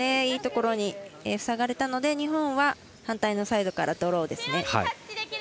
いいところに塞がれたので日本は、反対のサイドからドローですね。